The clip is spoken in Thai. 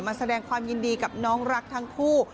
แสดงความยินดีกับน้องรักทั้งคู่